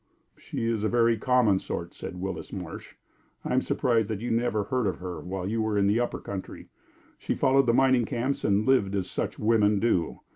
"She is a very common sort," said Willis Marsh. "I am surprised that you never heard of her while you were in the 'upper country.' She followed the mining camps and lived as such women do.